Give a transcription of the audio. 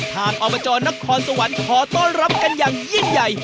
อบจนครสวรรค์ขอต้อนรับกันอย่างยิ่งใหญ่